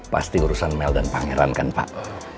pasti urusan mel dan pangeran kan pak